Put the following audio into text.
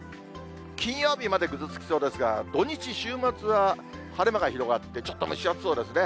金曜日までぐずつきそうですが、土日、週末は晴れ間が広がって、ちょっと蒸し暑そうですね。